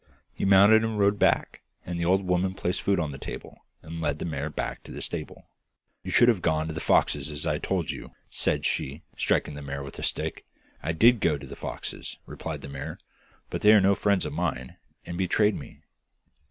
He mounted and rode back, and the old woman placed food on the table, and led the mare back to the stable. 'You should have gone to the foxes, as I told you,' said she, striking the mare with a stick. 'I did go to the foxes,' replied the mare, 'but they are no friends of mine and betrayed me.